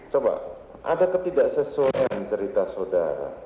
coba ada ketidaksesuaian cerita saudara